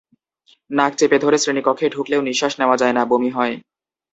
নাক চেপে ধরে শ্রেণিকক্ষে ঢুকলেও নিঃশ্বাস নেওয়া যায় না, বমি হয়।